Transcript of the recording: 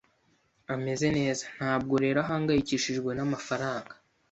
Ameze neza, ntabwo rero ahangayikishijwe namafaranga.